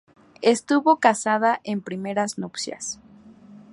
Estuvo casada en primeras nupcias.